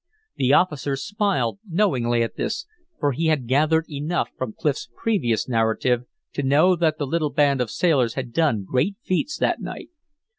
The officer smiled knowingly at this, for he had gathered enough from Clif's previous narrative to know that the little band of sailors had done great feats that night.